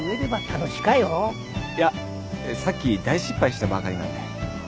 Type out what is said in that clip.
いやさっき大失敗したばかりなんで。